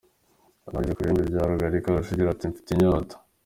Bageze mu Bihembe bya Rugalika, Rujugira ati: «Mfite inyota».